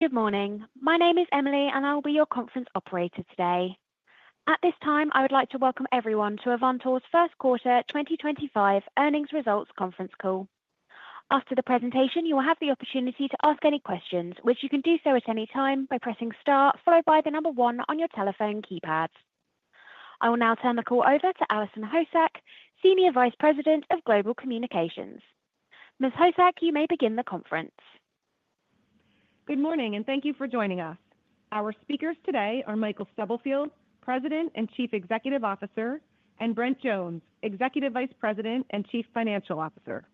Good morning. My name is Emily, and I will be your conference operator today. At this time, I would like to welcome everyone to Avantor's 1st quarter 2025 earnings results conference call. After the presentation, you will have the opportunity to ask any questions, which you can do so at any time by pressing star, followed by the number one on your telephone keypad. I will now turn the call over to Allison Hosak, Senior Vice President of Global Communications. Ms. Hosak, you may begin the conference. Good morning, and thank you for joining us. Our speakers today are Michael Stubblefield, President and Chief Executive Officer, and Brent Jones, Executive Vice President and Chief Financial Officer.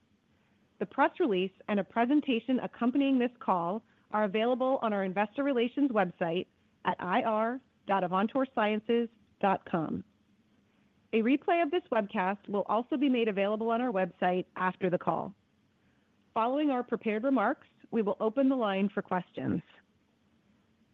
The press release and a presentation accompanying this call are avaiLable on our investor relations website at ir.avantorsciences.com. A replay of this webcast will also be made avaiLable on our website after the call. Following our prepared remarks, we will open the line for questions.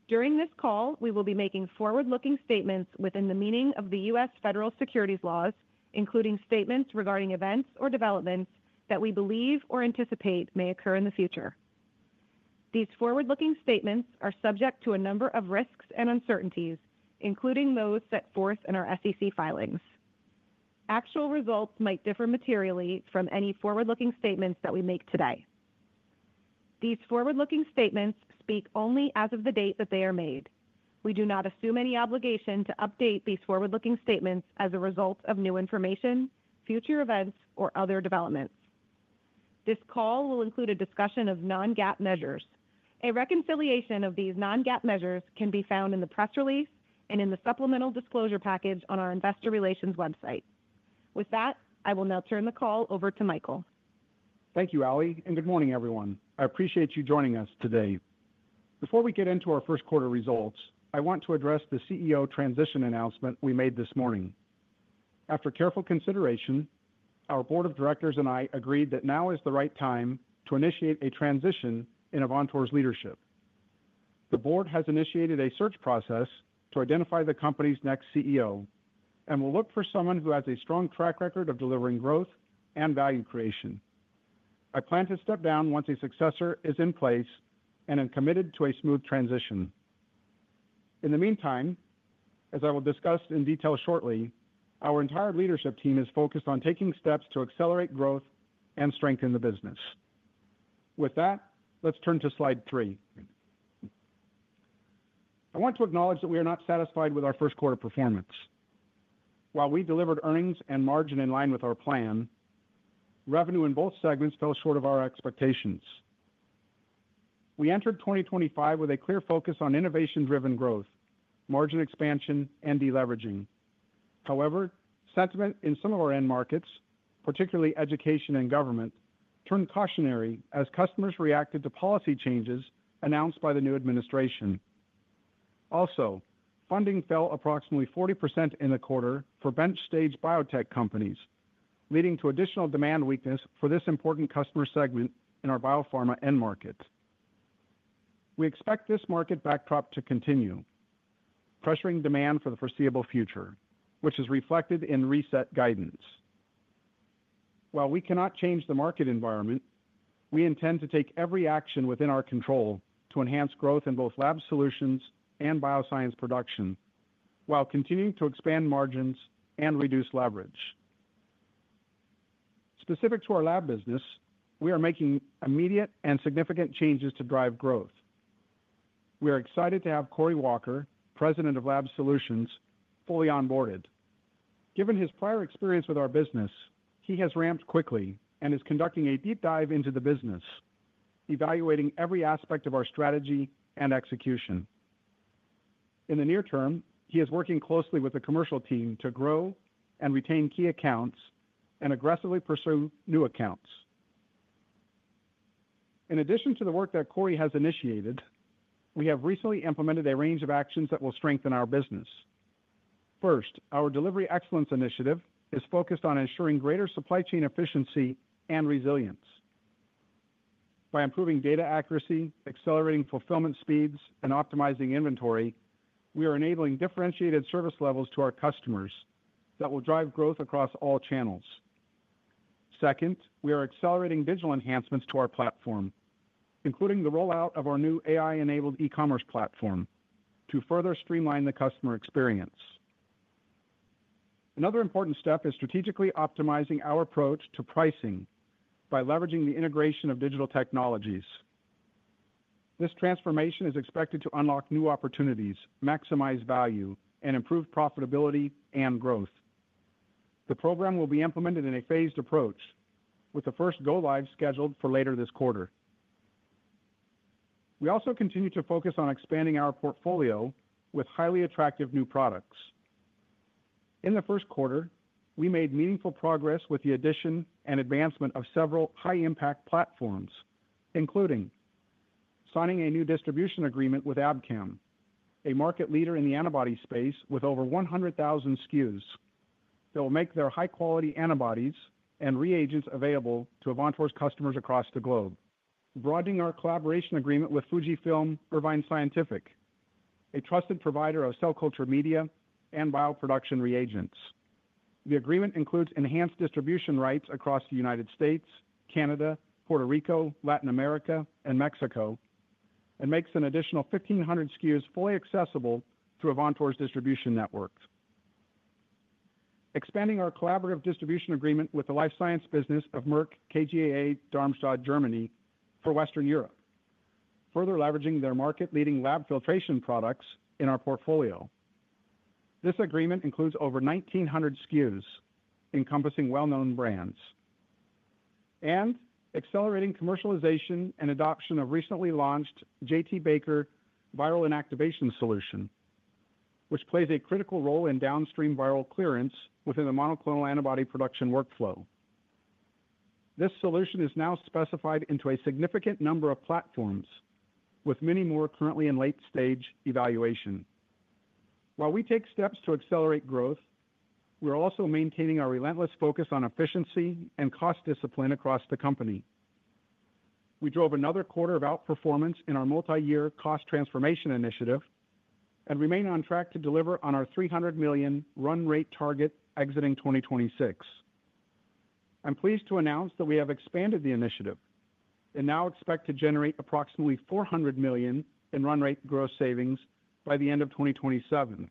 During this call, we will be making forward-looking statements within the meaning of the U.S. federal securities laws, including statements regarding events or developments that we believe or anticipate may occur in the future. These forward-looking statements are subject to a number of risks and uncertainties, including those set forth in our SEC filings. Actual results might differ materially from any forward-looking statements that we make today. These forward-looking statements speak only as of the date that they are made. We do not assume any obligation to update these forward-looking statements as a result of new information, future events, or other developments. This call will include a discussion of non-GAAP measures. A reconciliation of these non-GAAP measures can be found in the press release and in the supplemental disclosure package on our investor relations website. With that, I will now turn the call over to Michael. Thank you, Allie, and good morning, everyone. I appreciate you joining us today. Before we get into our 1st quarter results, I want to address the CEO transition announcement we made this morning. After careful consideration, our Board of Directors and I agreed that now is the right time to initiate a transition in Avantor's leadership. The Board has initiated a search process to identify the company's next CEO and will look for someone who has a strong track record of delivering growth and value creation. I plan to step down once a successor is in place and am committed to a smooth transition. In the meantime, as I will discuss in detail shortly, our entire leadership team is focused on taking steps to accelerate growth and strengthen the business. With that, let's turn to slide three. I want to acknowledge that we are not satisfied with our 1st quarter performance. While we delivered earnings and margin in line with our plan, revenue in both segments fell short of our expectations. We entered 2025 with a clear focus on innovation-driven growth, margin expansion, and deleveraging. However, sentiment in some of our end markets, particularly Education and Government, turned cautionary as customers reacted to policy changes announced by the new administration. Also, funding fell approximately 40% in the quarter for bench-stage biotech companies, leading to additional demand weakness for this important customer segment in our biopharma end market. We expect this market backdrop to continue, pressuring demand for the foreseeable future, which is reflected in reset guidance. While we cannot change the market environment, we intend to take every action within our control to enhance growth in both Lab Solutions and Bioscience Production, while continuing to expand margins and reduce leverage. Specific to our Lab business, we are making immediate and significant changes to drive growth. We are excited to have Corey Walker, President of Lab Solutions, fully onboarded. Given his prior experience with our business, he has ramped quickly and is conducting a deep dive into the business, evaluating every aspect of our strategy and execution. In the near term, he is working closely with the commercial team to grow and retain key accounts and aggressively pursue new accounts. In addition to the work that Corey has initiated, we have recently implemented a range of actions that will strengthen our business. First, our delivery excellence initiative is focused on ensuring greater supply chain efficiency and resilience. By improving data accuracy, accelerating fulfillment speeds, and optimizing inventory, we are enabling differentiated service levels to our customers that will drive growth across all channels. Second, we are accelerating digital enhancements to our platform, including the rollout of our new AI-enabled e-commerce platform to further streamline the customer experience. Another important step is strategically optimizing our approach to pricing by leveraging the integration of digital technologies. This transformation is expected to unlock new opportunities, maximize value, and improve profitability and growth. The program will be implemented in a phased approach, with the first go-live scheduled for later this quarter. We also continue to focus on expanding our portfolio with highly attractive new products. In the 1st quarter, we made meaningful progress with the addition and advancement of several high-impact platforms, including signing a new distribution agreement with Abcam, a market leader in the antibody space with over 100,000 SKUs that will make their high-quality antibodies and reagents avaiLable to Avantor's customers across the globe. Broadening our colLaboration agreement with FUJIFILM Irvine Scientific, a trusted provider of cell culture media and bioproduction reagents. The agreement includes enhanced distribution rights across the United States, Canada, Puerto Rico, Latin America, and Mexico, and makes an additional 1,500 SKUs fully accessible through Avantor's distribution network. Expanding our colLaborative distribution agreement with the life science business of Merck KGaA Darmstadt, Germany, for Western Europe, further leveraging their market-leading Lab filtration products in our portfolio. This agreement includes over 1,900 SKUs, encompassing well-known brands, and accelerating commercialization and adoption of recently launched J.T. Baker Viral Inactivation Solution, which plays a critical role in downstream viral clearance within the monoclonal antibody production workflow. This solution is now specified into a significant number of platforms, with many more currently in late-stage evaluation. While we take steps to accelerate growth, we are also maintaining our relentless focus on efficiency and cost discipline across the company. We drove another quarter of outperformance in our multi-year cost transformation initiative and remain on track to deliver on our $300 million run rate target exiting 2026. I'm pleased to announce that we have expanded the initiative and now expect to generate approximately $400 million in run rate gross savings by the end of 2027.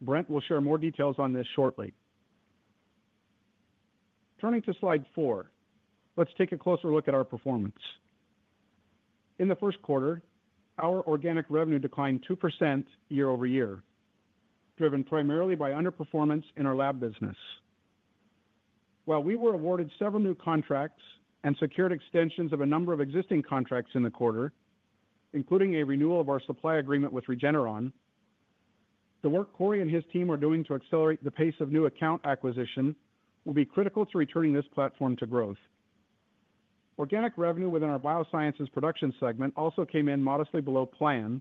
Brent will share more details on this shortly. Turning to slide four, let's take a closer look at our performance. In the 1st quarter, our organic revenue declined 2% year over year, driven primarily by underperformance in our Lab business. While we were awarded several new contracts and secured extensions of a number of existing contracts in the quarter, including a renewal of our supply agreement with Regeneron, the work Corey and his team are doing to accelerate the pace of new account acquisition will be critical to returning this platform to growth. Organic revenue within our Bioscience Production segment also came in modestly below plan,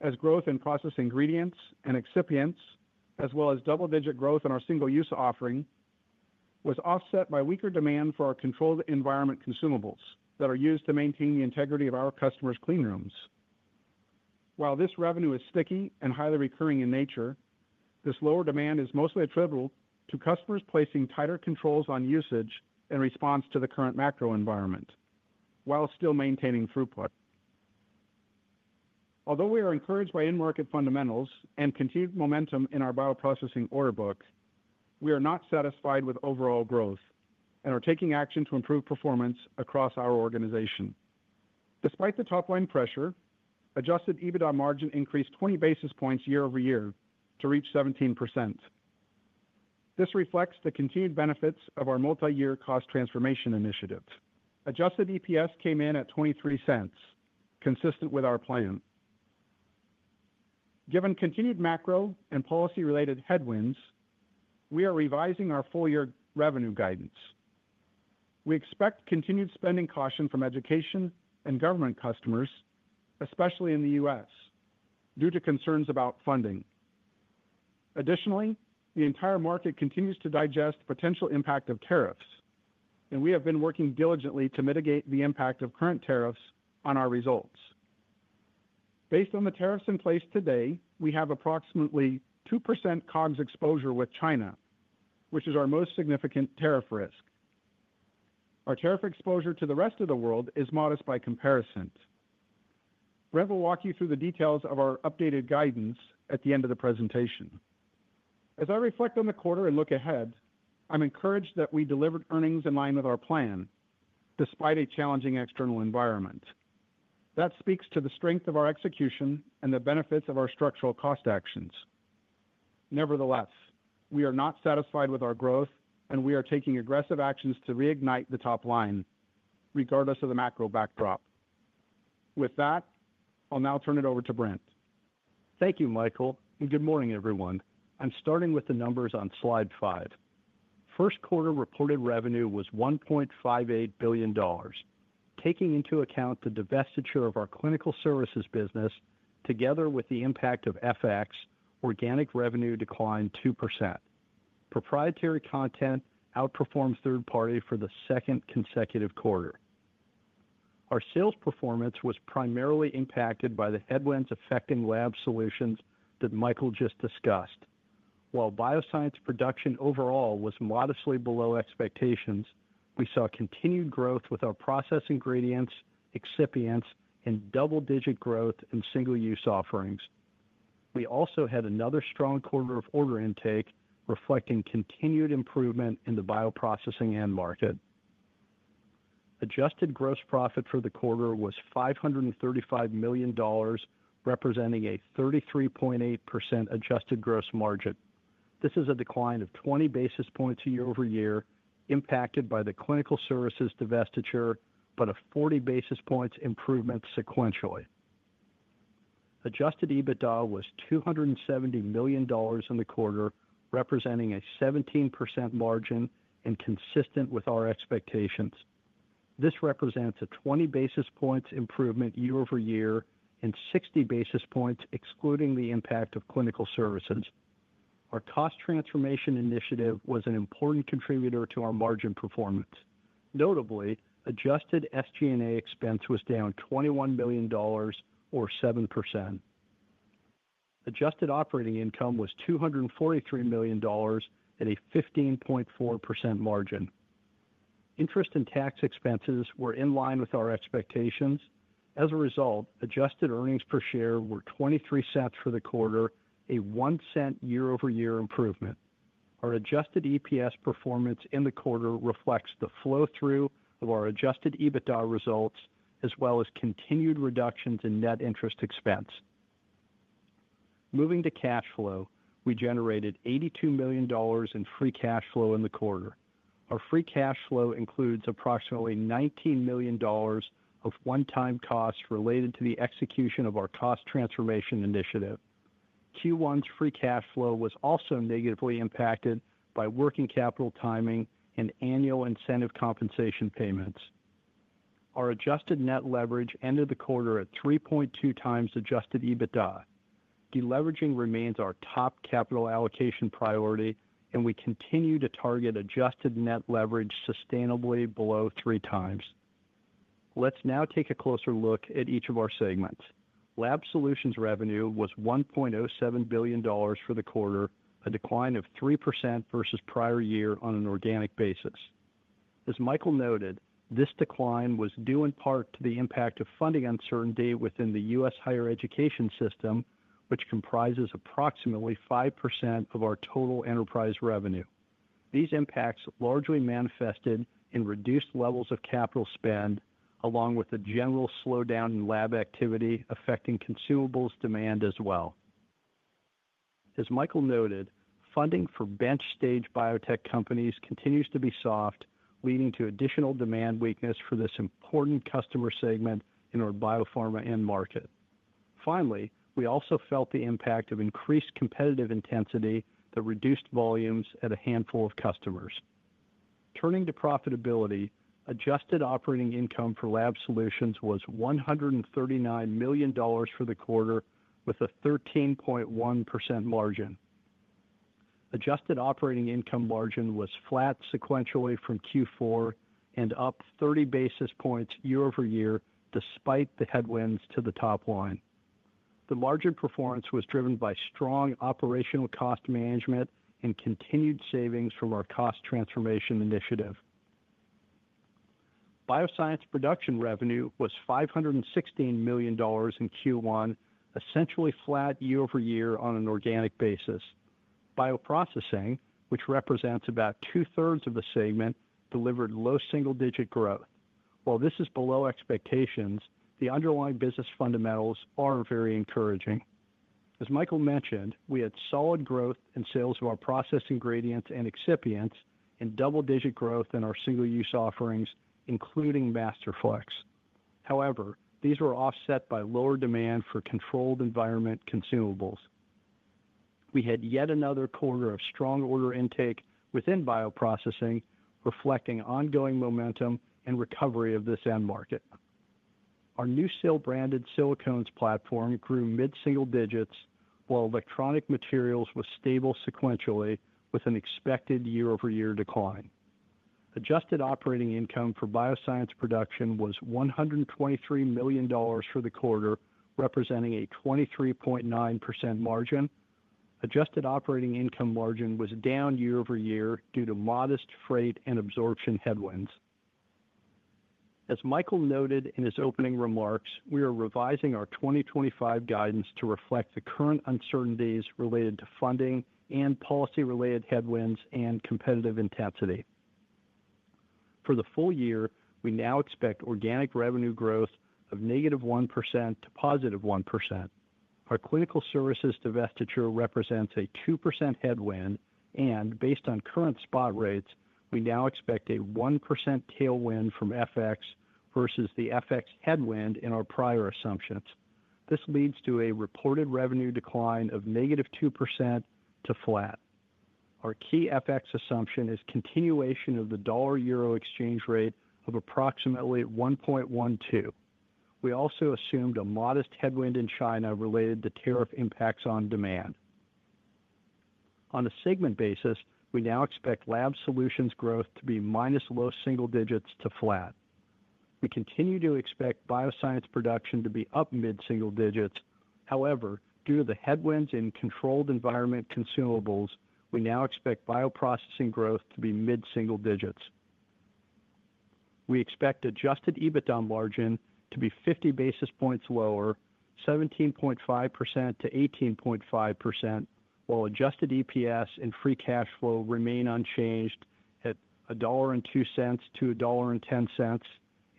as growth in process ingredients and excipients, as well as double-digit growth in our single-use offering, was offset by weaker demand for our Controlled Environment Consumables that are used to maintain the integrity of our customers' cleanrooms. While this revenue is sticky and highly recurring in nature, this lower demand is mostly attributable to customers placing tighter controls on usage in response to the current macro environment, while still maintaining throughput. Although we are encouraged by in-market fundamentals and continued momentum in our Bioprocessing order book, we are not satisfied with overall growth and are taking action to improve performance across our organization. Despite the top-line pressure, adjusted EBITDA margin increased 20 basis points year over year to reach 17%. This reflects the continued benefits of our multi-year cost transformation initiative. Adjusted EPS came in at $0.23, consistent with our plan. Given continued macro and policy-related headwinds, we are revising our full-year revenue guidance. We expect continued spending caution from Education and Government customers, especially in the U.S., due to concerns about funding. Additionally, the entire market continues to digest the potential impact of tariffs, and we have been working diligently to mitigate the impact of current tariffs on our results. Based on the tariffs in place today, we have approximately 2% COGS exposure with China, which is our most significant tariff risk. Our tariff exposure to the rest of the world is modest by comparison. Brent will walk you through the details of our updated guidance at the end of the presentation. As I reflect on the quarter and look ahead, I'm encouraged that we delivered earnings in line with our plan, despite a challenging external environment. That speaks to the strength of our execution and the benefits of our structural cost actions. Nevertheless, we are not satisfied with our growth, and we are taking aggressive actions to reignite the top line, regardless of the macro backdrop. With that, I'll now turn it over to Brent. Thank you, Michael, and good morning, everyone. I'm starting with the numbers on slide five. First quarter reported revenue was $1.58 billion, taking into account the divestiture of our Clinical Services business, together with the impact of FX, organic revenue declined 2%. Proprietary content outperformed third-party for the second consecutive quarter. Our sales performance was primarily impacted by the headwinds affecting Lab Solutions that Michael just discussed. While Bioscience Production overall was modestly below expectations, we saw continued growth with our process ingredients, excipients, and double-digit growth in single-use offerings. We also had another strong quarter of order intake, reflecting continued improvement in the Bioprocessing end market. Adjusted gross profit for the quarter was $535 million, representing a 33.8% adjusted gross margin. This is a decline of 20 basis points year over year, impacted by the Clinical Services divestiture, but a 40 basis points improvement sequentially. Adjusted EBITDA was $270 million in the quarter, representing a 17% margin and consistent with our expectations. This represents a 20 basis points improvement year over year and 60 basis points excluding the impact of Clinical Services. Our cost transformation initiative was an important contributor to our margin performance. Notably, adjusted SG&A expense was down $21 million, or 7%. Adjusted operating income was $243 million at a 15.4% margin. Interest and tax expenses were in line with our expectations. As a result, adjusted earnings per share were $0.23 for the quarter, a $0.01 year over year improvement. Our adjusted EPS performance in the quarter reflects the flow-through of our adjusted EBITDA results, as well as continued reductions in net interest expense. Moving to cash flow, we generated $82 million in free cash flow in the quarter. Our free cash flow includes approximately $19 million of one-time costs related to the execution of our cost transformation initiative. Q1's free cash flow was also negatively impacted by working capital timing and annual incentive compensation payments. Our adjusted net leverage ended the quarter at 3.2x adjusted EBITDA. Deleveraging remains our top capital allocation priority, and we continue to target adjusted net leverage sustainably below 3x. Let's now take a closer look at each of our segments. Lab Solutions revenue was $1.07 billion for the quarter, a decline of 3% versus prior year on an organic basis. As Michael noted, this decline was due in part to the impact of funding uncertainty within the U.S. higher education system, which comprises approximately 5% of our total enterprise revenue. These impacts largely manifested in reduced levels of capital spend, along with a general slowdown in Lab activity affecting consumables demand as well. As Michael noted, funding for bench-stage biotech companies continues to be soft, leading to additional demand weakness for this important customer segment in our biopharma end market. Finally, we also felt the impact of increased competitive intensity that reduced volumes at a handful of customers. Turning to profitability, adjusted operating income for Lab Solutions was $139 million for the quarter, with a 13.1% margin. Adjusted operating income margin was flat sequentially from Q4 and up 30 basis points year over year, despite the headwinds to the top line. The margin performance was driven by strong operational cost management and continued savings from our cost transformation initiative. Bioscience Production revenue was $516 million in Q1, essentially flat year over year on an organic basis. Bioprocessing, which represents about two-thirds of the segment, delivered low single-digit growth. While this is below expectations, the underlying business fundamentals are very encouraging. As Michael mentioned, we had solid growth in sales of our process ingredients and excipients and double-digit growth in our single-use offerings, including Masterflex. However, these were offset by lower demand for Controlled Environment Consumables. We had yet another quarter of strong order intake within Bioprocessing, reflecting ongoing momentum and recovery of this end market. Our NuSil-branded silicones platform grew mid-single digits, while electronic materials were stable sequentially, with an expected year-over-year decline. Adjusted operating income for Bioscience Production was $123 million for the quarter, representing a 23.9% margin. Adjusted operating income margin was down year over year due to modest freight and absorption headwinds. As Michael noted in his opening remarks, we are revising our 2025 guidance to reflect the current uncertainties related to funding and policy-related headwinds and competitive intensity. For the full year, we now expect organic revenue growth of -1% to 1%. Our Clinical Services divestiture represents a 2% headwind, and based on current spot rates, we now expect a 1% tailwind from FX versus the FX headwind in our prior assumptions. This leads to a reported revenue decline of -2% to flat. Our key FX assumption is continuation of the dollar-euro exchange rate of approximately 1.12%. We also assumed a modest headwind in China related to tariff impacts on demand. On a segment basis, we now expect Lab Solutions growth to be minus low single digits to flat. We continue to expect Bioscience Production to be up mid-single digits. However, due to the headwinds in Controlled Environment Consumables, we now expect Bioprocessing growth to be mid-single digits. We expect adjusted EBITDA margin to be 50 basis points lower, 17.5%-18.5%, while adjusted EPS and free cash flow remain unchanged at $1.02-$1.10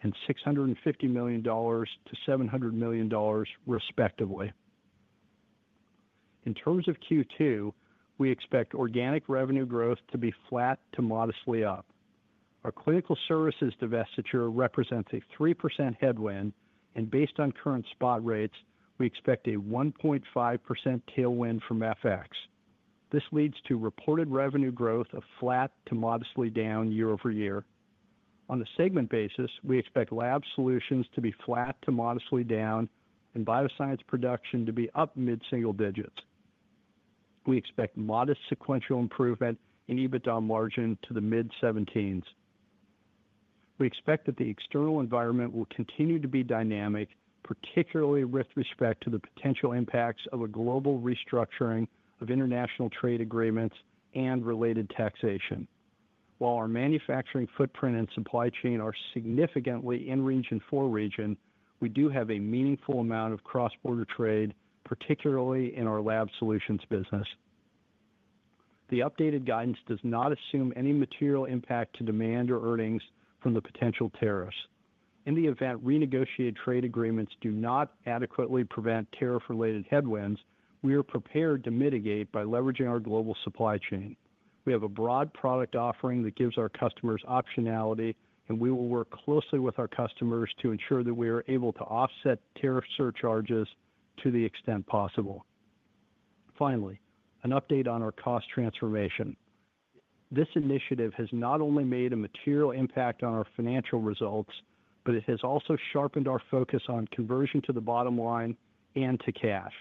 and $650 million-$700 million, respectively. In terms of Q2, we expect organic revenue growth to be flat to modestly up. Our Clinical Services divestiture represents a 3% headwind, and based on current spot rates, we expect a 1.5% tailwind from FX. This leads to reported revenue growth of flat to modestly down year over year. On a segment basis, we expect Lab Solutions to be flat to modestly down and Bioscience Production to be up mid-single digits. We expect modest sequential improvement in EBITDA margin to the mid-17s. We expect that the external environment will continue to be dynamic, particularly with respect to the potential impacts of a global restructuring of international trade agreements and related taxation. While our manufacturing footprint and supply chain are significantly in-region- for-region, we do have a meaningful amount of cross-border trade, particularly in our Lab Solutions business. The updated guidance does not assume any material impact to demand or earnings from the potential tariffs. In the event renegotiated trade agreements do not adequately prevent tariff-related headwinds, we are prepared to mitigate by leveraging our global supply chain. We have a broad product offering that gives our customers optionality, and we will work closely with our customers to ensure that we are able to offset tariff surcharges to the extent possible. Finally, an update on our cost transformation. This initiative has not only made a material impact on our financial results, but it has also sharpened our focus on conversion to the bottom line and to cash.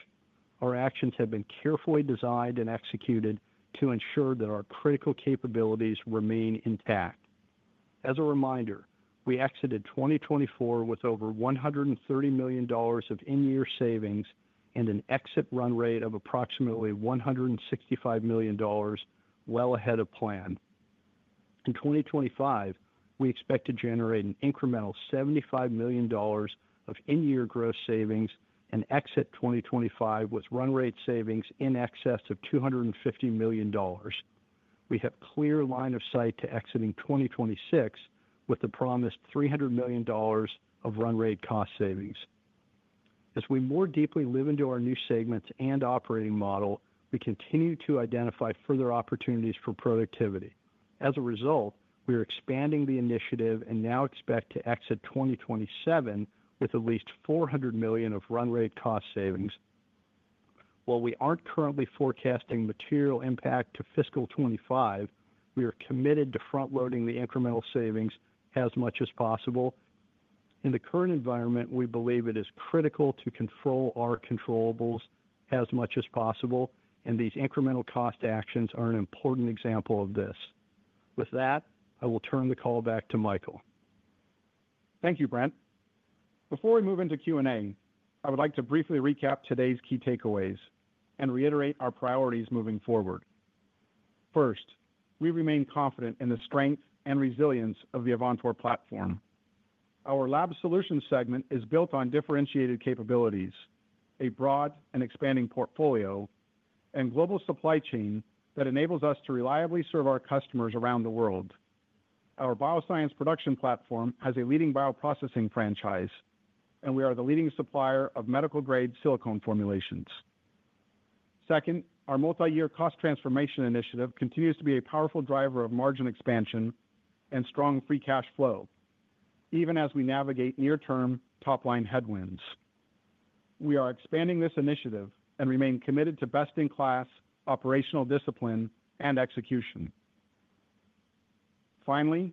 Our actions have been carefully designed and executed to ensure that our critical capabilities remain intact. As a reminder, we exited 2024 with over $130 million of in-year savings and an exit run rate of approximately $165 million, well ahead of plan. In 2025, we expect to generate an incremental $75 million of in-year gross savings and exit 2025 with run rate savings in excess of $250 million. We have a clear line of sight to exiting 2026 with the promised $300 million of run rate cost savings. As we more deeply live into our new segments and operating model, we continue to identify further opportunities for productivity. As a result, we are expanding the initiative and now expect to exit 2027 with at least $400 million of run rate cost savings. While we aren't currently forecasting material impact to Fiscal 2025, we are committed to front-loading the incremental savings as much as possible. In the current environment, we believe it is critical to control our controlLables as much as possible, and these incremental cost actions are an important example of this. With that, I will turn the call back to Michael. Thank you, Brent. Before we move into Q&A, I would like to briefly recap today's key takeaways and reiterate our priorities moving forward. First, we remain confident in the strength and resilience of the Avantor platform. Our Lab Solutions segment is built on differentiated capabilities, a broad and expanding portfolio, and global supply chain that enables us to reliably serve our customers around the world. Our Bioscience Production platform has a leading Bioprocessing franchise, and we are the leading supplier of medical-grade silicone formulations. Second, our multi-year cost transformation initiative continues to be a powerful driver of margin expansion and strong free cash flow, even as we navigate near-term top-line headwinds. We are expanding this initiative and remain committed to best-in-class operational discipline and execution. Finally,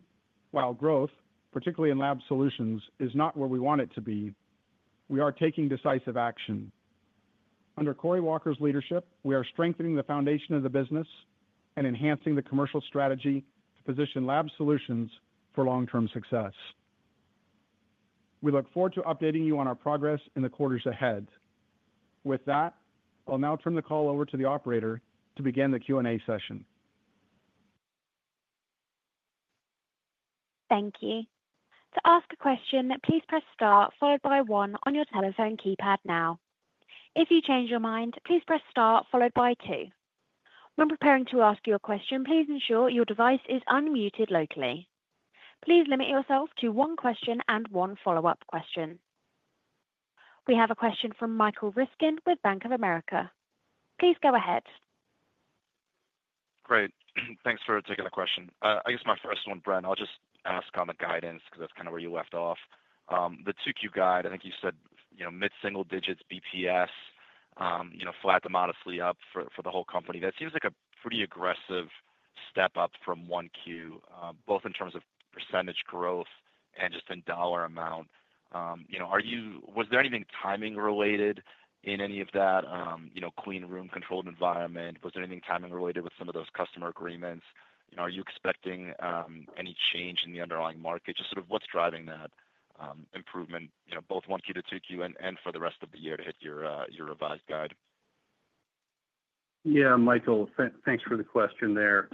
while growth, particularly in Lab Solutions, is not where we want it to be, we are taking decisive action. Under Corey Walker's leadership, we are strengthening the foundation of the business and enhancing the commercial strategy to position Lab Solutions for long-term success. We look forward to updating you on our progress in the quarters ahead. With that, I'll now turn the call over to the operator to begin the Q&A session. Thank you. To ask a question, please press Star followed by one on your telephone keypad now. If you change your mind, please press Star followed by two. When preparing to ask your question, please ensure your device is unmuted locally. Please limit yourself to one question and one follow-up question. We have a question from Michael Ryskin with Bank of America. Please go ahead. Great. Thanks for taking the question. I guess my first one, Brent, I'll just ask on the guidance because that's kind of where you left off. The 2Q guide, I think you said mid-single digits basis points, flat to modestly up for the whole company. That seems like a pretty aggressive step up from 1Q, both in terms of percentage growth and just in dollar amount. Was there anything timing-related in any of that clean room controlled environment? Was there anything timing-related with some of those customer agreements? Are you expecting any change in the underlying market? Just sort of what's driving that improvement, both 1Q to 2Q and for the rest of the year to hit your revised guide? Yeah, Michael, thanks for the question there.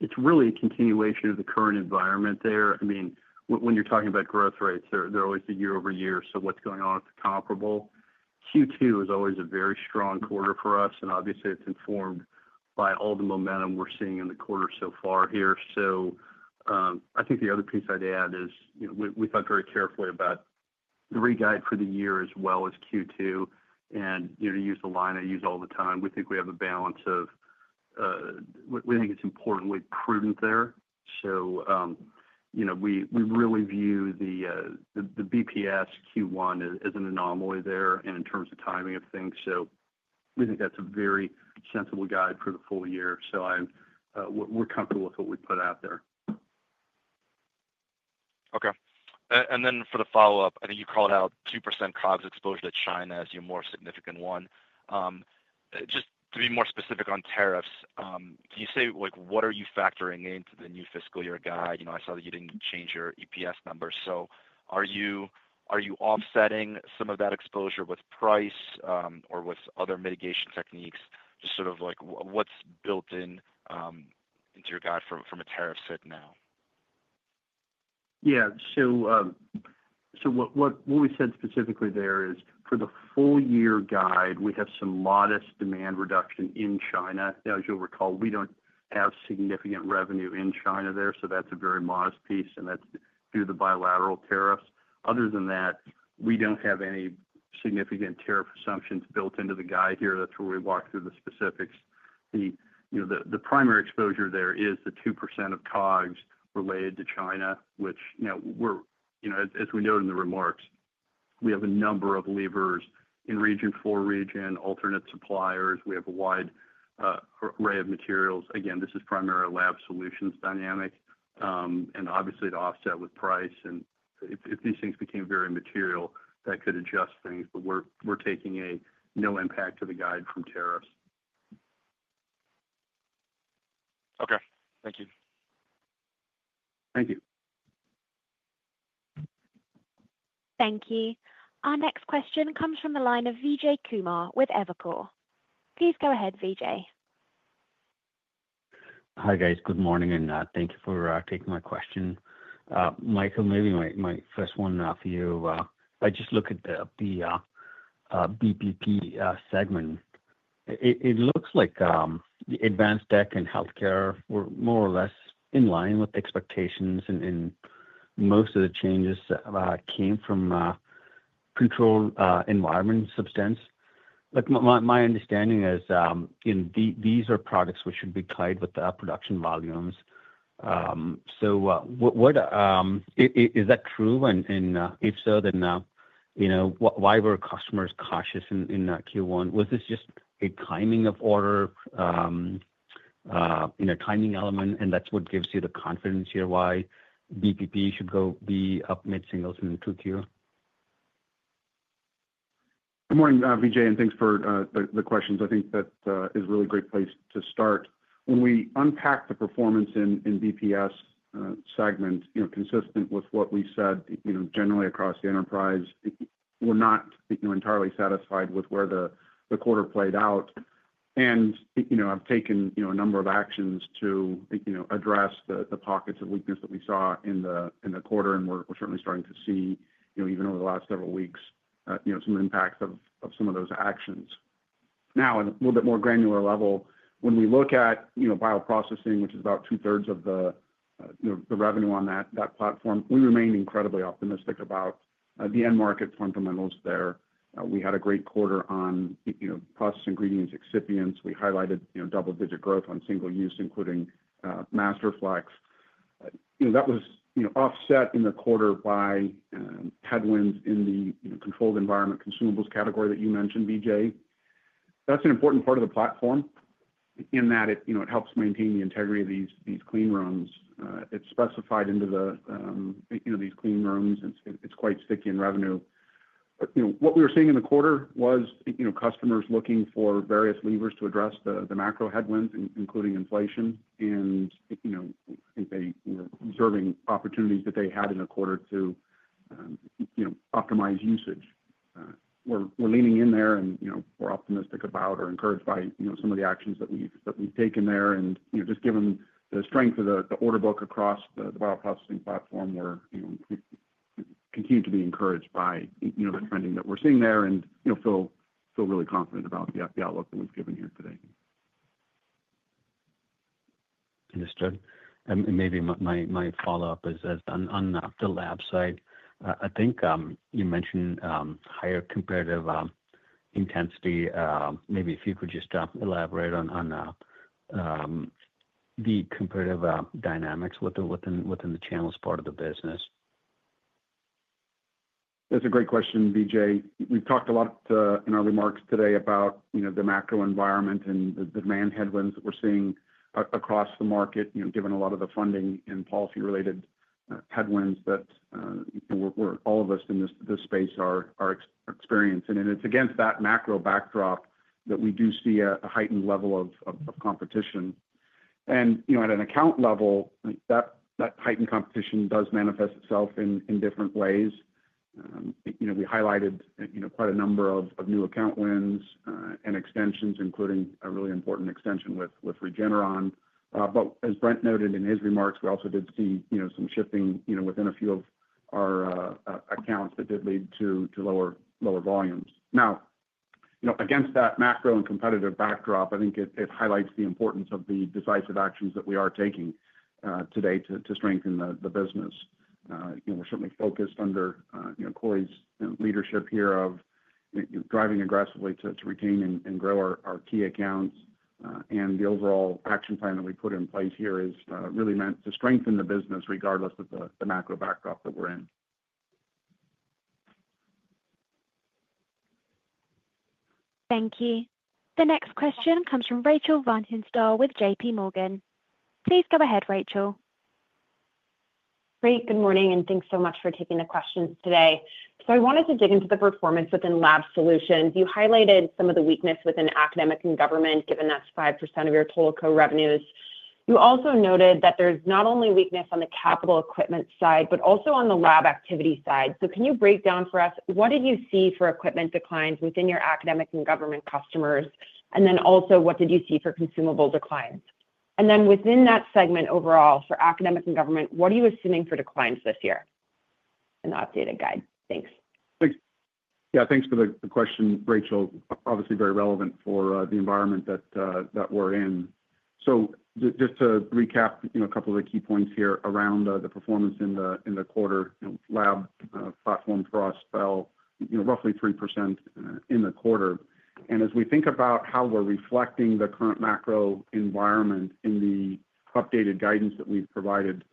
It's really a continuation of the current environment there. I mean, when you're talking about growth rates, they're always the year-over-year. So what's going on with the comparable? Q2 is always a very strong quarter for us, and obviously, it's informed by all the momentum we're seeing in the quarter so far here. I think the other piece I'd add is we thought very carefully about the re-guide for the year as well as Q2. To use the line I use all the time, we think we have a balance of we think it's importantly prudent there. We really view the BPS Q1 as an anomaly there and in terms of timing of things. We think that's a very sensible guide for the full year. We're comfortable with what we put out there. Okay. For the follow-up, I think you called out 2% COGS exposure to China as your more significant one. Just to be more specific on tariffs, can you say what are you factoring into the new fiscal year guide? I saw that you did not change your EPS number. Are you offsetting some of that exposure with price or with other mitigation techniques? Just sort of what is built into your guide from a tariff set now? Yeah. What we said specifically there is for the full year guide, we have some modest demand reduction in China. Now, as you'll recall, we don't have significant revenue in China, so that's a very modest piece, and that's due to the bilateral tariffs. Other than that, we don't have any significant tariff assumptions built into the guide here. That's where we walk through the specifics. The primary exposure there is the 2% of COGS related to China, which, as we noted in the remarks, we have a number of levers in region-for-region, alternate suppliers. We have a wide array of materials. Again, this is primarily a Lab Solutions dynamic, and obviously, to offset with price. If these things became very material, that could adjust things, but we're taking a no impact to the guide from tariffs. Okay. Thank you. Thank you. Thank you. Our next question comes from the line of Vijay Kumar with Evercore. Please go ahead, Vijay. Hi guys. Good morning, and thank you for taking my question. Michael, maybe my first one for you. I just look at the BPP segment. It looks like Advanced Tech and Healthcare were more or less in line with expectations, and most of the changes came from Controlled Environment Consumables. My understanding is these are products which should be tied with the production volumes. Is that true? If so, then why were customers cautious in Q1? Was this just a timing of order, a timing element, and that's what gives you the confidence here why BPP should go be up mid-singles and then 2Q? Good morning, Vijay, and thanks for the questions. I think that is a really great place to start. When we unpack the performance in BPS segment, consistent with what we said generally across the enterprise, we're not entirely satisfied with where the quarter played out. I have taken a number of actions to address the pockets of weakness that we saw in the quarter, and we're certainly starting to see, even over the last several weeks, some impacts of some of those actions. Now, on a little bit more granular level, when we look at Bioprocessing, which is about two-thirds of the revenue on that platform, we remain incredibly optimistic about the end market fundamentals there. We had a great quarter on process ingredients excipients. We highlighted double-digit growth on single-use, including Masterflex. That was offset in the quarter by headwinds in the Controlled Environment Consumables category that you mentioned, Vijay. That's an important part of the platform in that it helps maintain the integrity of these clean rooms. It's specified into these clean rooms. It's quite sticky in revenue. What we were seeing in the quarter was customers looking for various levers to address the macro headwinds, including inflation, and I think they were observing opportunities that they had in the quarter to optimize usage. We're leaning in there, and we're optimistic about or encouraged by some of the actions that we've taken there. Just given the strength of the order book across the Bioprocessing platform, we're continuing to be encouraged by the trending that we're seeing there and feel really confident about the outlook that we've given here today. Understood. Maybe my follow-up is on the Lab side. I think you mentioned higher comparative intensity. Maybe if you could just eLaborate on the comparative dynamics within the channels part of the business. That's a great question, Vijay. We've talked a lot in our remarks today about the macro environment and the demand headwinds that we're seeing across the market, given a lot of the funding and policy-related headwinds that all of us in this space are experiencing. It is against that macro backdrop that we do see a heightened level of competition. At an account level, that heightened competition does manifest itself in different ways. We highlighted quite a number of new account wins and extensions, including a really important extension with Regeneron. As Brent noted in his remarks, we also did see some shifting within a few of our accounts that did lead to lower volumes. Now, against that macro and competitive backdrop, I think it highlights the importance of the decisive actions that we are taking today to strengthen the business. We're certainly focused under Corey's leadership here of driving aggressively to retain and grow our key accounts. The overall action plan that we put in place here is really meant to strengthen the business regardless of the macro backdrop that we're in. Thank you. The next question comes from Rachel Vatnsdal with JPMorgan. Please go ahead, Rachel. Great. Good morning, and thanks so much for taking the questions today. I wanted to dig into the performance within Lab Solutions. You highlighted some of the weakness within academic and government, given that's 5% of your total co-revenues. You also noted that there's not only weakness on the capital equipment side, but also on the Lab activity side. Can you break down for us what did you see for equipment declines within your academic and government customers? What did you see for consumable declines? Within that segment overall for academic and government, what are you assuming for declines this year? An updated guide. Thanks. Yeah, thanks for the question, Rachel. Obviously, very relevant for the environment that we're in. Just to recap a couple of the key points here around the performance in the quarter, Lab platform for us fell roughly 3% in the quarter. As we think about how we're reflecting the current macro environment in the updated guidance that we've provided,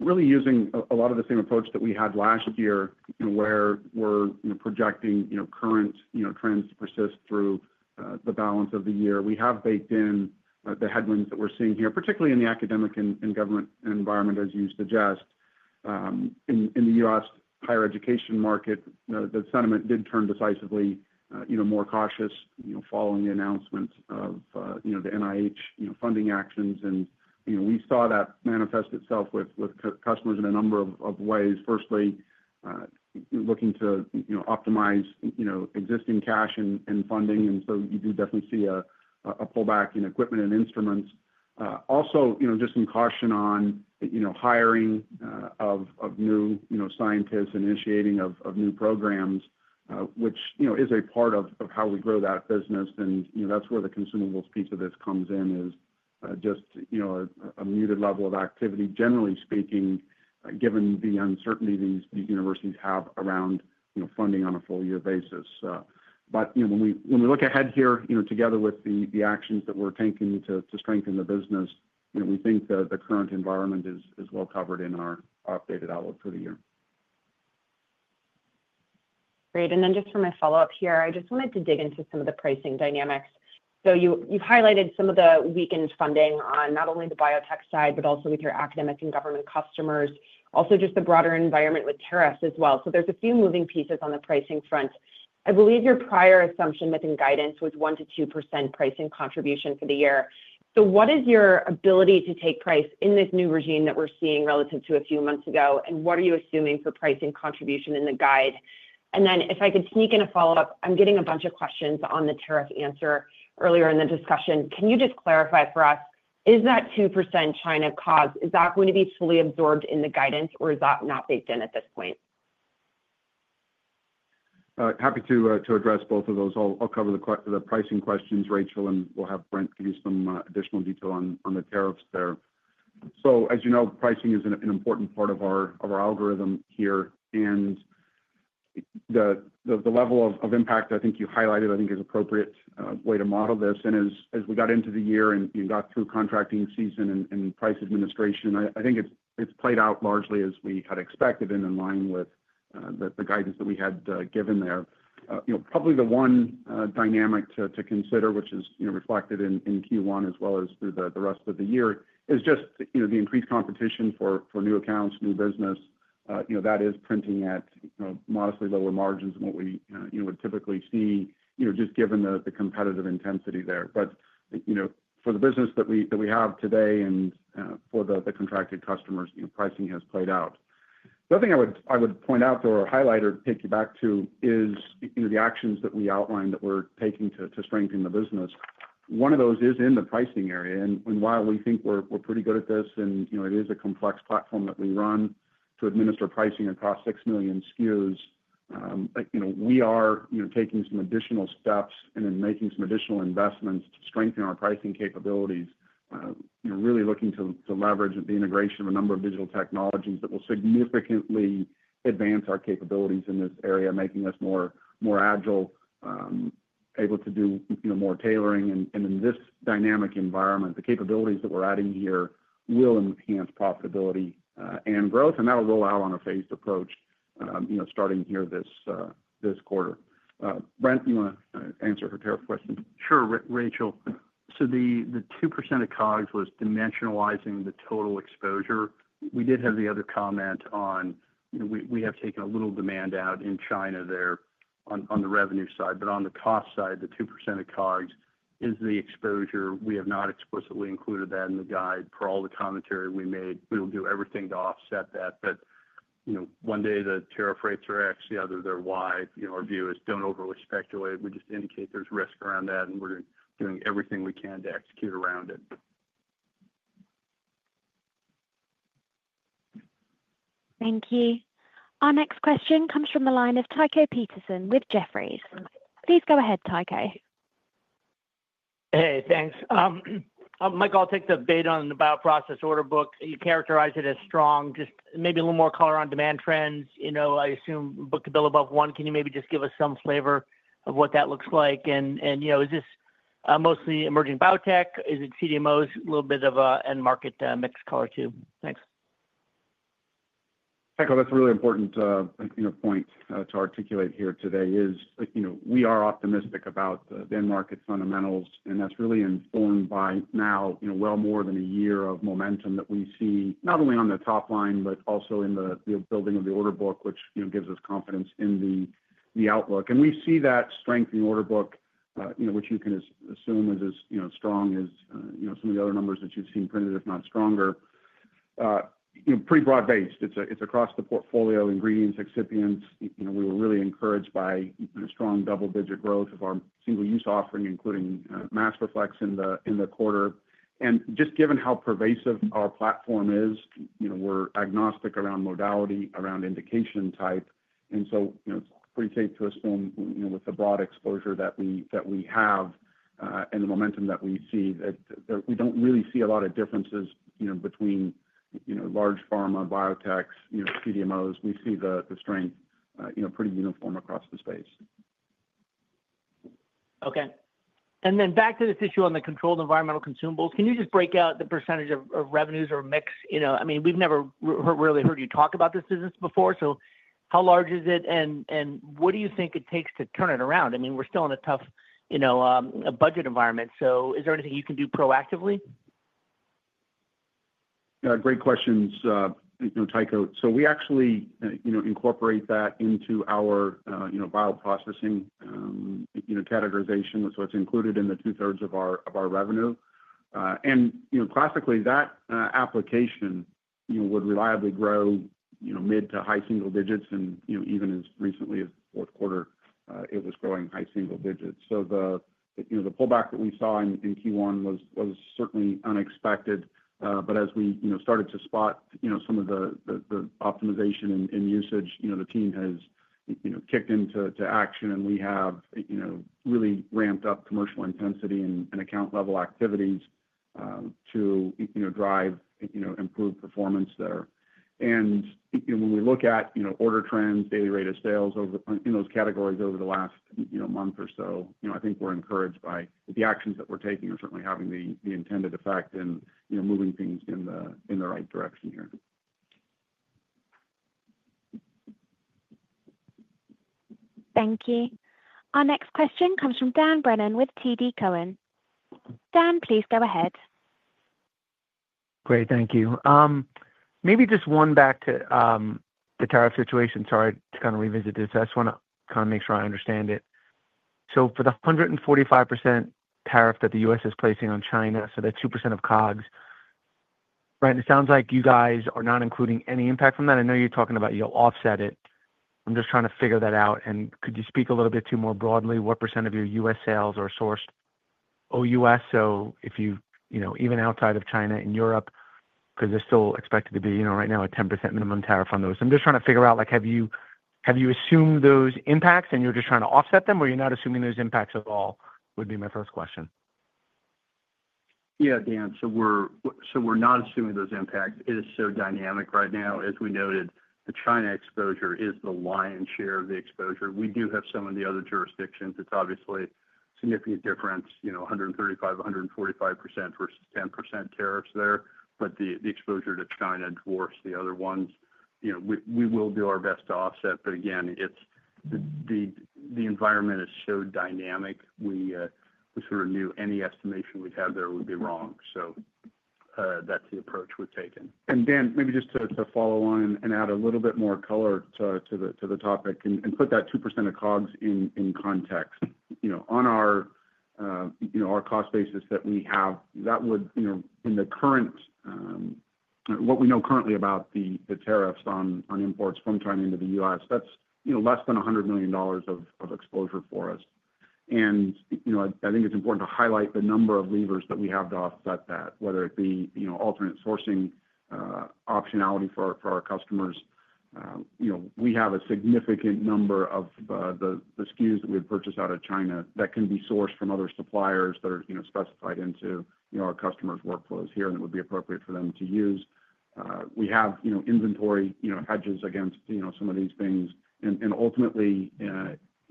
really using a lot of the same approach that we had last year where we're projecting current trends to persist through the balance of the year, we have baked in the headwinds that we're seeing here, particularly in the academic and government environment, as you suggest. In the U.S. higher education market, the sentiment did turn decisively more cautious following the announcement of the NIH funding actions. We saw that manifest itself with customers in a number of ways. Firstly, looking to optimize existing cash and funding. You definitely see a pullback in equipment and instruments. Also, just some caution on hiring of new scientists, initiating of new programs, which is a part of how we grow that business. That is where the consumables piece of this comes in, is just a muted level of activity, generally speaking, given the uncertainty these universities have around funding on a full year basis. When we look ahead here, together with the actions that we are taking to strengthen the business, we think the current environment is well covered in our updated outlook for the year. Great. Just for my follow-up here, I just wanted to dig into some of the pricing dynamics. You've highlighted some of the weakened funding on not only the biotech side, but also with your academic and government customers. Also, just the broader environment with tariffs as well. There are a few moving pieces on the pricing front. I believe your prior assumption within guidance was 1%-2% pricing contribution for the year. What is your ability to take price in this new regime that we're seeing relative to a few months ago? What are you assuming for pricing contribution in the guide? If I could sneak in a follow-up, I'm getting a bunch of questions on the tariff answer earlier in the discussion. Can you just clarify for us, is that 2% China COGS, is that going to be fully absorbed in the guidance, or is that not baked in at this point? Happy to address both of those. I'll cover the pricing questions, Rachel, and we'll have Brent give you some additional detail on the tariffs there. As you know, pricing is an important part of our algorithm here. The level of impact I think you highlighted, I think, is an appropriate way to model this. As we got into the year and got through contracting season and price administration, I think it's played out largely as we had expected and in line with the guidance that we had given there. Probably the one dynamic to consider, which is reflected in Q1 as well as through the rest of the year, is just the increased competition for new accounts, new business. That is printing at modestly lower margins than what we would typically see, just given the competitive intensity there. For the business that we have today and for the contracted customers, pricing has played out. The other thing I would point out or highlight or take you back to is the actions that we outlined that we're taking to strengthen the business. One of those is in the pricing area. While we think we're pretty good at this, and it is a complex platform that we run to administer pricing across 6 million SKUs, we are taking some additional steps and then making some additional investments to strengthen our pricing capabilities, really looking to leverage the integration of a number of digital technologies that will significantly advance our capabilities in this area, making us more agile, able to do more tailoring. In this dynamic environment, the capabilities that we're adding here will enhance profitability and growth. That will roll out on a phased approach starting here this quarter. Brent, you want to answer her tariff question? Sure, Rachel. The 2% of COGS was dimensionalizing the total exposure. We did have the other comment on we have taken a little demand out in China there on the revenue side. On the cost side, the 2% of COGS is the exposure. We have not explicitly included that in the guide. For all the commentary we made, we will do everything to offset that. One day the tariff rates are X, the other they're Y. Our view is don't overly speculate. We just indicate there's risk around that, and we're doing everything we can to execute around it. Thank you. Our next question comes from the line of Tycho Peterson with Jefferies. Please go ahead, Tycho. Hey, thanks. Michael, I'll take the bait on the bioprocess order book. You characterize it as strong, just maybe a little more color on demand trends. I assume book to bill above one. Can you maybe just give us some flavor of what that looks like? Is this mostly emerging biotech? Is it CDMOs, a little bit of end market mix color too? Thanks. Tycho, that's a really important point to articulate here today is we are optimistic about the end market fundamentals, and that's really informed by now well more than a year of momentum that we see not only on the top line, but also in the building of the order book, which gives us confidence in the outlook. We see that strength in the order book, which you can assume is as strong as some of the other numbers that you've seen printed, if not stronger. Pretty broad-based. It's across the portfolio ingredients, excipients. We were really encouraged by strong double-digit growth of our single-use offering, including Masterflex in the quarter. Just given how pervasive our platform is, we're agnostic around modality, around indication type. It is pretty safe to assume with the broad exposure that we have and the momentum that we see that we do not really see a lot of differences between large pharma, biotech, CDMOs. We see the strength pretty uniform across the space. Okay. Back to this issue on the Controlled Environment Consumables. Can you just break out the percentage of revenues or mix? I mean, we've never really heard you talk about this business before. How large is it, and what do you think it takes to turn it around? I mean, we're still in a tough budget environment. Is there anything you can do proactively? Great questions, Tycho. We actually incorporate that into our Bioprocessing categorization. It is included in the two-thirds of our revenue. Classically, that application would reliably grow mid to high single digits. Even as recently as the 4th quarter, it was growing high single digits. The pullback that we saw in Q1 was certainly unexpected. As we started to spot some of the optimization in usage, the team has kicked into action, and we have really ramped up commercial intensity and account-level activities to drive improved performance there. When we look at order trends, daily rate of sales in those categories over the last month or so, I think we are encouraged by the actions that we are taking and certainly having the intended effect and moving things in the right direction here. Thank you. Our next question comes from Dan Brennan with TD Cowen. Dan, please go ahead. Great. Thank you. Maybe just one back to the tariff situation. Sorry to kind of revisit this. I just want to kind of make sure I understand it. For the 145% tariff that the U.S. is placing on China, that 2% of COGS, Brent, it sounds like you guys are not including any impact from that. I know you're talking about you'll offset it. I'm just trying to figure that out. Could you speak a little bit to more broadly what percent of your U.S. sales are sourced OUS? Even outside of China and Europe, because there's still expected to be right now a 10% minimum tariff on those. I'm just trying to figure out, have you assumed those impacts and you're just trying to offset them, or are you not assuming those impacts at all? That would be my first question. Yeah, Dan. We're not assuming those impacts. It is so dynamic right now. As we noted, the China exposure is the lion's share of the exposure. We do have some in the other jurisdictions. It's obviously a significant difference, 135%-145% versus 10% tariffs there. The exposure to China dwarfs the other ones. We will do our best to offset. Again, the environment is so dynamic, we sort of knew any estimation we'd have there would be wrong. That's the approach we've taken. Dan, maybe just to follow on and add a little bit more color to the topic and put that 2% of COGS in context. On our cost basis that we have, that would in the current, what we know currently about the tariffs on imports from China into the U.S., that's less than $100 million of exposure for us. I think it's important to highlight the number of levers that we have to offset that, whether it be alternate sourcing optionality for our customers. We have a significant number of the SKUs that we have purchased out of China that can be sourced from other suppliers that are specified into our customers' workflows here and that would be appropriate for them to use. We have inventory hedges against some of these things. Ultimately,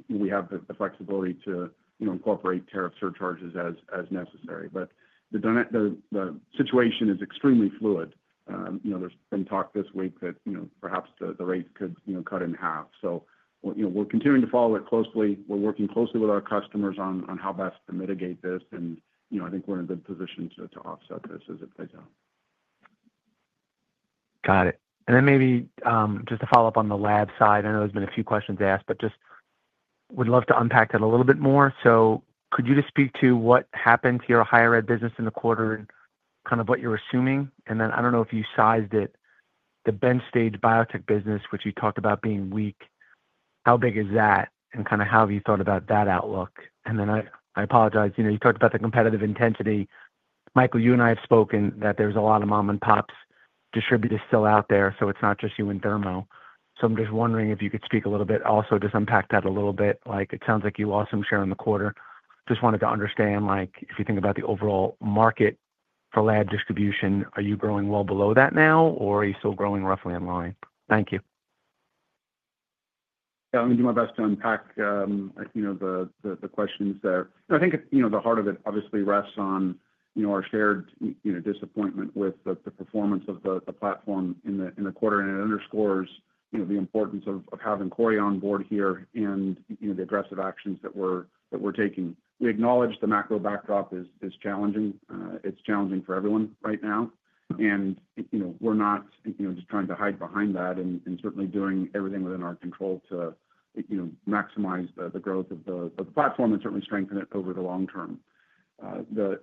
we have the flexibility to incorporate tariff surcharges as necessary. The situation is extremely fluid. There's been talk this week that perhaps the rate could cut in half. We are continuing to follow it closely. We are working closely with our customers on how best to mitigate this. I think we are in a good position to offset this as it plays out. Got it. Maybe just to follow up on the Lab side, I know there's been a few questions asked, but just would love to unpack that a little bit more. Could you just speak to what happened to your higher ed business in the quarter and kind of what you're assuming? I don't know if you sized it, the bend stage biotech business, which you talked about being weak. How big is that? How have you thought about that outlook? I apologize. You talked about the competitive intensity. Michael, you and I have spoken that there's a lot of mom-and-pop distributors still out there. It's not just you and Thermo. I'm just wondering if you could speak a little bit also to unpack that a little bit. It sounds like you also share in the quarter. Just wanted to understand if you think about the overall market for Lab distribution, are you growing well below that now, or are you still growing roughly in line? Thank you. Yeah, I'm going to do my best to unpack the questions there. I think the heart of it obviously rests on our shared disappointment with the performance of the platform in the quarter. It underscores the importance of having Corey on board here and the aggressive actions that we're taking. We acknowledge the macro backdrop is challenging. It's challenging for everyone right now. We're not just trying to hide behind that and certainly doing everything within our control to maximize the growth of the platform and certainly strengthen it over the long term. The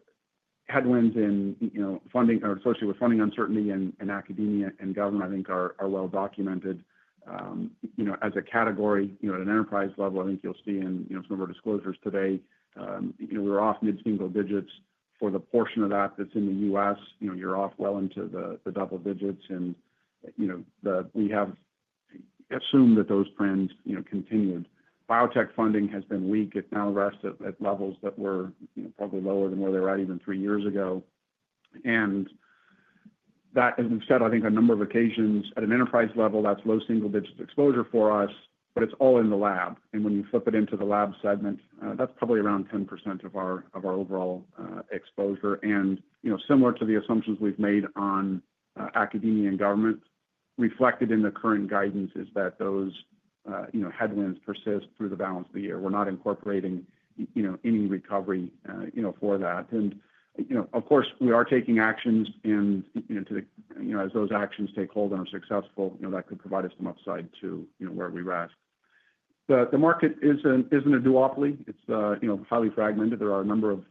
headwinds in funding associated with funding uncertainty in academia and government, I think, are well documented. As a category at an enterprise level, I think you'll see in some of our disclosures today, we were off mid-single digits for the portion of that that's in the U.S. You're off well into the double digits. We have assumed that those trends continued. Biotech funding has been weak. It now rests at levels that were probably lower than where they were at even three years ago. As we've said, I think on a number of occasions at an enterprise level, that's low single-digit exposure for us, but it's all in the Lab. When you flip it into the Lab segment, that's probably around 10% of our overall exposure. Similar to the assumptions we've made on academia and government, reflected in the current guidance is that those headwinds persist through the balance of the year. We're not incorporating any recovery for that. Of course, we are taking actions. As those actions take hold and are successful, that could provide us some upside to where we rest. The market isn't a duopoly. It's highly fragmented. There are a number of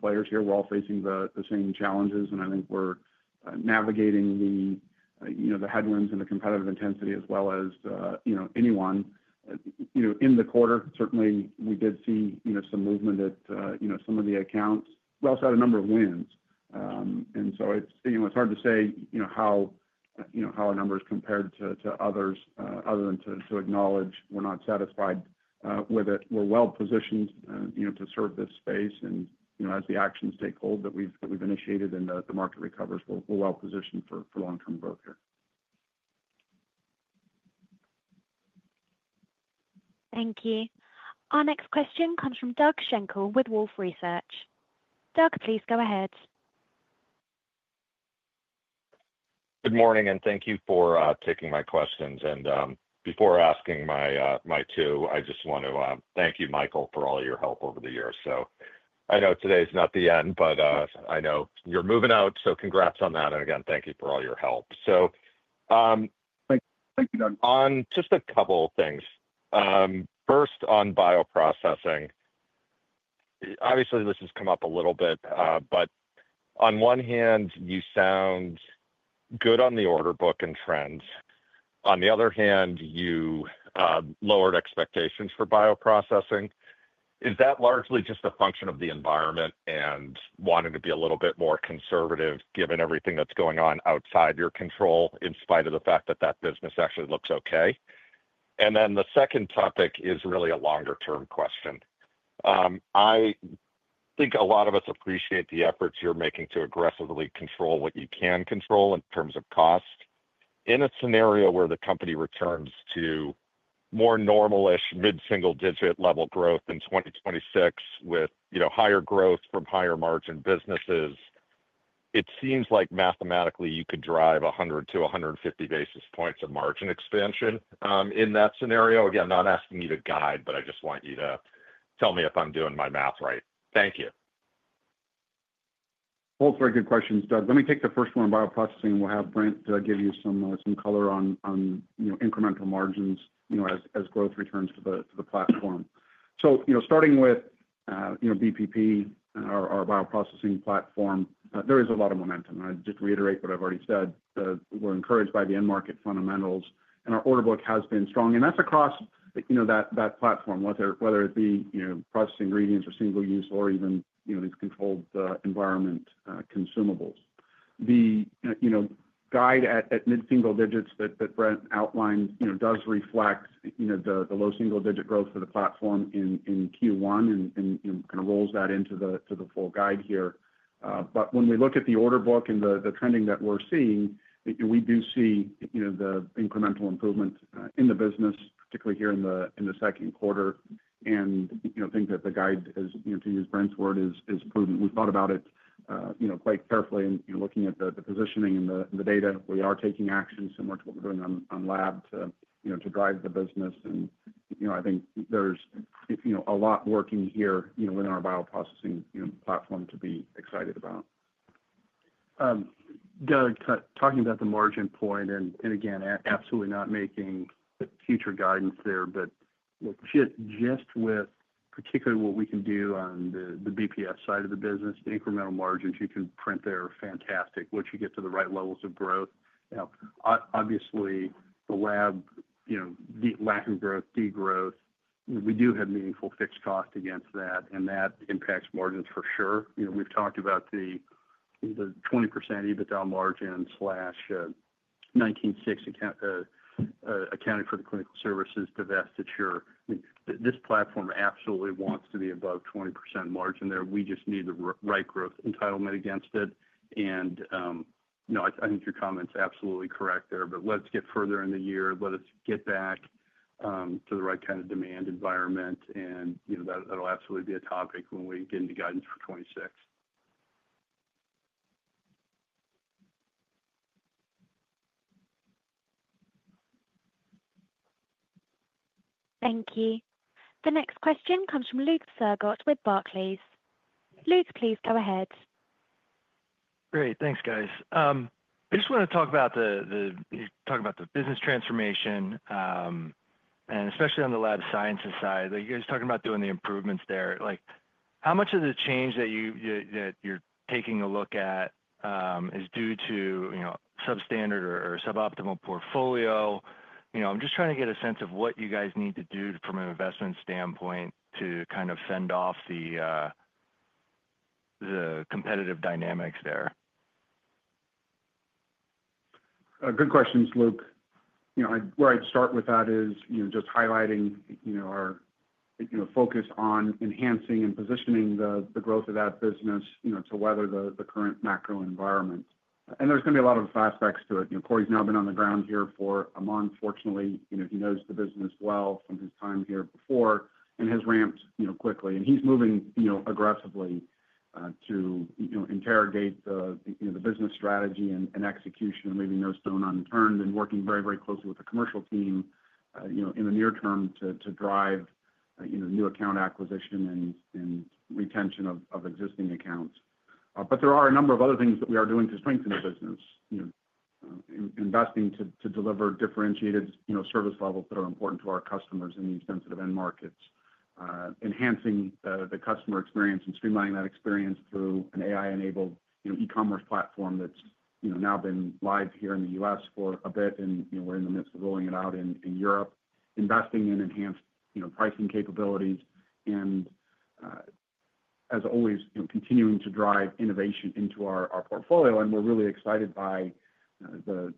players here. We're all facing the same challenges. I think we're navigating the headwinds and the competitive intensity as well as anyone in the quarter. Certainly, we did see some movement at some of the accounts. We also had a number of wins. It's hard to say how our numbers compared to others other than to acknowledge we're not satisfied with it. We're well positioned to serve this space. As the actions take hold that we've initiated and the market recovers, we're well positioned for long-term growth here. Thank you. Our next question comes from Doug Schenkel with Wolfe Research. Doug, please go ahead. Good morning, and thank you for taking my questions. Before asking my two, I just want to thank you, Michael, for all your help over the years. I know today is not the end, but I know you're moving out, so congrats on that. Again, thank you for all your help. On just a couple of things. First, on Bioprocessing, obviously, this has come up a little bit, but on one hand, you sound good on the order book and trends. On the other hand, you lowered expectations for Bioprocessing. Is that largely just a function of the environment and wanting to be a little bit more conservative given everything that's going on outside your control in spite of the fact that that business actually looks okay? The second topic is really a longer-term question. I think a lot of us appreciate the efforts you're making to aggressively control what you can control in terms of cost. In a scenario where the company returns to more normal-ish mid-single digit level growth in 2026 with higher growth from higher margin businesses, it seems like mathematically you could drive 100-150 basis points of margin expansion in that scenario. Again, not asking you to guide, but I just want you to tell me if I'm doing my math right. Thank you. Great questions, Doug. Let me take the first one on Bioprocessing, and we'll have Brent give you some color on incremental margins as growth returns to the platform. Starting with BPP, our Bioprocessing platform, there is a lot of momentum. I just reiterate what I've already said. We're encouraged by the end market fundamentals, and our order book has been strong. That's across that platform, whether it be process ingredients or single-use or even these Controlled Environment Consumables. The guide at mid-single digits that Brent outlined does reflect the low single-digit growth for the platform in Q1 and kind of rolls that into the full guide here. When we look at the order book and the trending that we're seeing, we do see the incremental improvement in the business, particularly here in the 2nd quarter. I think that the guide, to use Brent's word, is prudent. We thought about it quite carefully and looking at the positioning and the data. We are taking action similar to what we're doing on Lab to drive the business. I think there's a lot working here within our Bioprocessing platform to be excited about. Doug, talking about the margin point, and again, absolutely not making future guidance there, but just with particularly what we can do on the BPS side of the business, the incremental margins you can print there are fantastic. Once you get to the right levels of growth, obviously, the Lab, lack of growth, degrowth, we do have meaningful fixed cost against that, and that impacts margins for sure. We've talked about the 20% EBITDA margin / 19.6% accounting for the Clinical Services divestiture. This platform absolutely wants to be above 20% margin there. We just need the right growth entitlement against it. I think your comment's absolutely correct there, but let's get further in the year. Let us get back to the right kind of demand environment, and that'll absolutely be a topic when we get into guidance for 2026. Thank you. The next question comes from Luke Sergott with Barclays. Luke, please go ahead. Great. Thanks, guys. I just want to talk about the business transformation, and especially on the Lab sciences side. You guys talking about doing the improvements there. How much of the change that you're taking a look at is due to substandard or suboptimal portfolio? I'm just trying to get a sense of what you guys need to do from an investment standpoint to kind of fend off the competitive dynamics there. Good questions, Luke. Where I'd start with that is just highlighting our focus on enhancing and positioning the growth of that business to weather the current macro environment. There is going to be a lot of aspects to it. Corey's now been on the ground here for a month, fortunately. He knows the business well from his time here before and has ramped quickly. He's moving aggressively to interrogate the business strategy and execution and leaving no stone unturned and working very, very closely with the commercial team in the near term to drive new account acquisition and retention of existing accounts. There are a number of other things that we are doing to strengthen the business, investing to deliver differentiated service levels that are important to our customers in these sensitive end markets, enhancing the customer experience and streamlining that experience through an AI-enabled e-commerce platform that's now been live here in the U.S. for a bit. We're in the midst of rolling it out in Europe, investing in enhanced pricing capabilities, and as always, continuing to drive innovation into our portfolio. We're really excited by the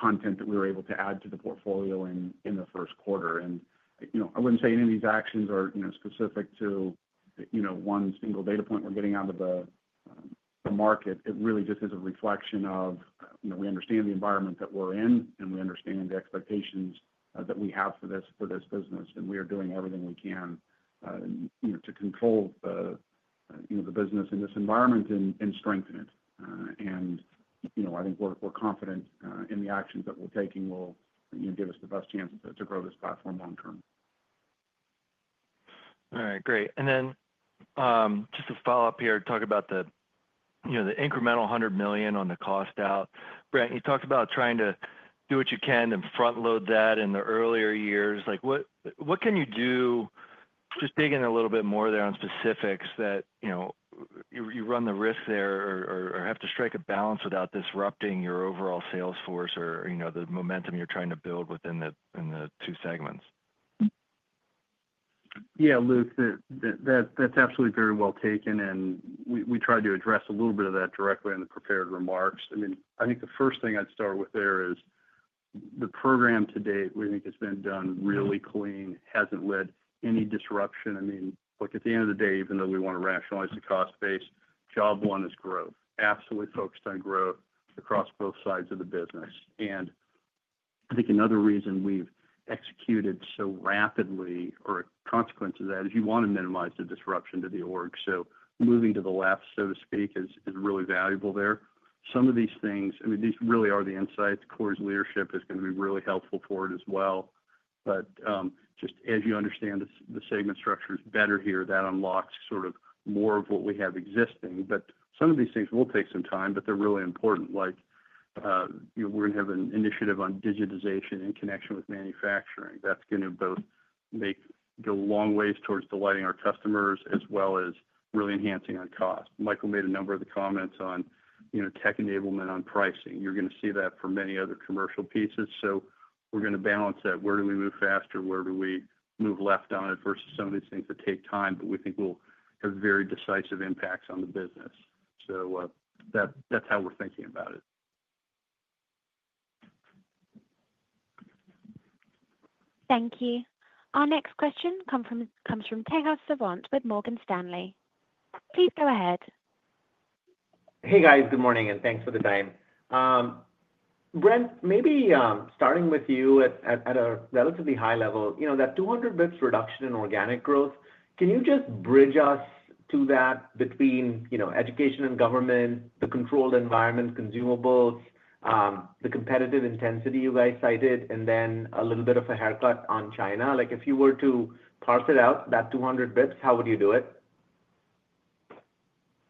content that we were able to add to the portfolio in the 1st quarter. I wouldn't say any of these actions are specific to one single data point we're getting out of the market. It really just is a reflection of we understand the environment that we're in, and we understand the expectations that we have for this business. We are doing everything we can to control the business in this environment and strengthen it. I think we're confident in the actions that we're taking will give us the best chance to grow this platform long-term. All right. Great. Just to follow up here, talk about the incremental $100 million on the cost out. Brent, you talked about trying to do what you can and front-load that in the earlier years. What can you do, just digging a little bit more there on specifics, that you run the risk there or have to strike a balance without disrupting your overall sales force or the momentum you're trying to build within the two segments? Yeah, Luke, that's absolutely very well taken. And we tried to address a little bit of that directly in the prepared remarks. I mean, I think the first thing I'd start with there is the program to date, we think it's been done really clean, hasn't led to any disruption. I mean, look, at the end of the day, even though we want to rationalize the cost base, job one is growth. Absolutely focused on growth across both sides of the business. I think another reason we've executed so rapidly or a consequence of that is you want to minimize the disruption to the org. Moving to the left, so to speak, is really valuable there. Some of these things, I mean, these really are the insights. Corey's leadership is going to be really helpful for it as well. Just as you understand the segment structures better here, that unlocks sort of more of what we have existing. Some of these things will take some time, but they're really important. Like we're going to have an initiative on digitization in connection with manufacturing. That's going to both make go long ways towards delighting our customers as well as really enhancing on cost. Michael made a number of the comments on tech enablement on pricing. You're going to see that for many other commercial pieces. We're going to balance that. Where do we move faster? Where do we move left on it versus some of these things that take time, but we think will have very decisive impacts on the business? That's how we're thinking about it. Thank you. Our next question comes from Tejas Savant with Morgan Stanley. Please go ahead. Hey, guys. Good morning, and thanks for the time. Brent, maybe starting with you at a relatively high level, that 200 basis points reduction in organic growth, can you just bridge us to that between Education and Government, the Controlled Environment Consumables, the competitive intensity you guys cited, and then a little bit of a haircut on China? If you were to parse it out, that 200 basis points, how would you do it?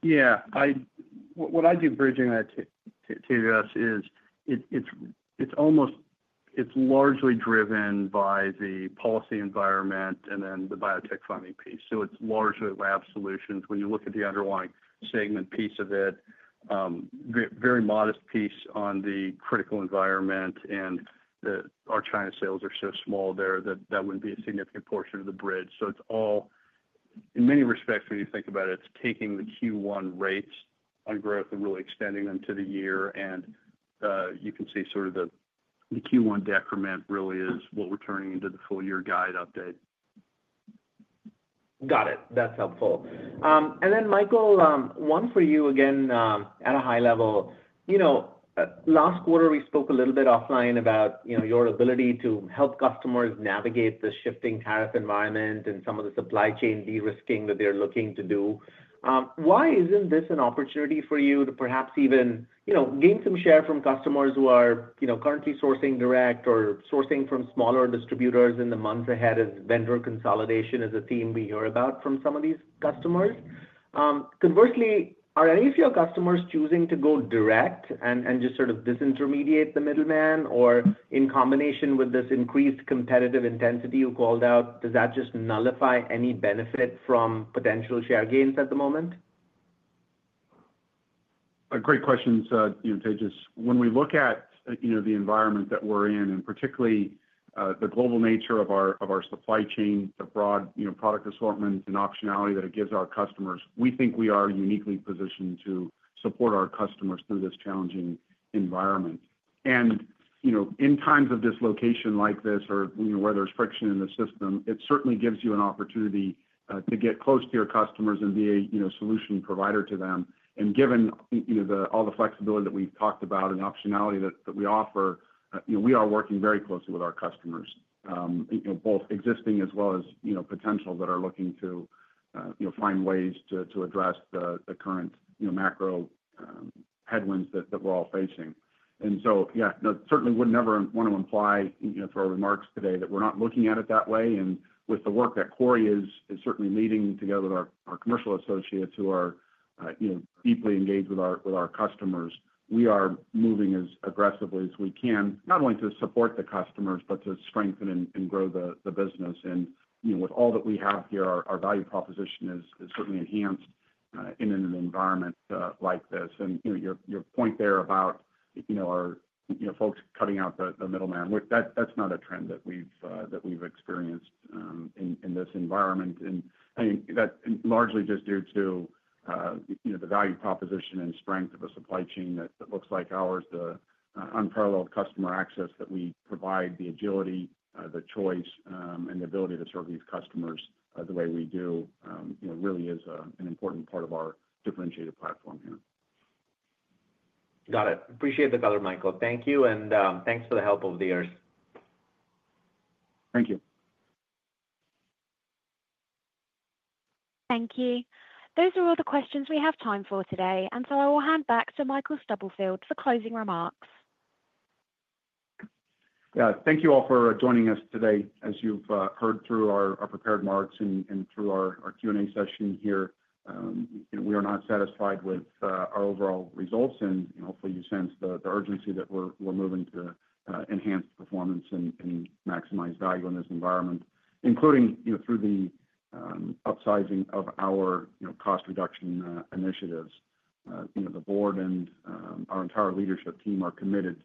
Yeah. What I do bridging that to us is it's largely driven by the policy environment and then the biotech funding piece. So it's largely Lab Solutions. When you look at the underlying segment piece of it, very modest piece on the controlled environment. And our China sales are so small there that that wouldn't be a significant portion of the bridge. It's all, in many respects, when you think about it, it's taking the Q1 rates on growth and really extending them to the year. You can see sort of the Q1 decrement really is what we're turning into the full-year guide update. Got it. That's helpful. Michael, one for you again at a high level. Last quarter, we spoke a little bit offline about your ability to help customers navigate the shifting tariff environment and some of the supply chain de-risking that they're looking to do. Why isn't this an opportunity for you to perhaps even gain some share from customers who are currently sourcing direct or sourcing from smaller distributors in the months ahead as vendor consolidation is a theme we hear about from some of these customers? Conversely, are any of your customers choosing to go direct and just sort of disintermediate the middleman? In combination with this increased competitive intensity you called out, does that just nullify any benefit from potential share gains at the moment? Great questions, Tejas. When we look at the environment that we're in, and particularly the global nature of our supply chain, the broad product assortment and optionality that it gives our customers, we think we are uniquely positioned to support our customers through this challenging environment. In times of dislocation like this or where there's friction in the system, it certainly gives you an opportunity to get close to your customers and be a solution provider to them. Given all the flexibility that we've talked about and optionality that we offer, we are working very closely with our customers, both existing as well as potential that are looking to find ways to address the current macro headwinds that we're all facing. Yeah, certainly would never want to imply through our remarks today that we're not looking at it that way. With the work that Corey is certainly leading together with our commercial associates who are deeply engaged with our customers, we are moving as aggressively as we can, not only to support the customers, but to strengthen and grow the business. With all that we have here, our value proposition is certainly enhanced in an environment like this. Your point there about our folks cutting out the middleman, that's not a trend that we've experienced in this environment. I think that's largely just due to the value proposition and strength of a supply chain that looks like ours. The unparalleled customer access that we provide, the agility, the choice, and the ability to serve these customers the way we do really is an important part of our differentiated platform here. Got it. Appreciate the color, Michael. Thank you. Thanks for the help over the years. Thank you. Thank you. Those are all the questions we have time for today. I will hand back to Michael Stubblefield for closing remarks. Thank you all for joining us today. As you've heard through our prepared remarks and through our Q&A session here, we are not satisfied with our overall results. Hopefully, you sense the urgency that we're moving to enhance performance and maximize value in this environment, including through the upsizing of our cost reduction initiatives. The board and our entire leadership team are committed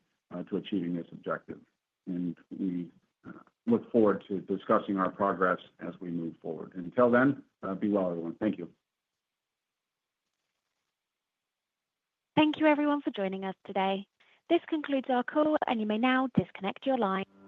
to achieving this objective. We look forward to discussing our progress as we move forward. Until then, be well, everyone. Thank you. Thank you, everyone, for joining us today. This concludes our call, and you may now disconnect your line.